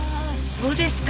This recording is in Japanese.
そうですか。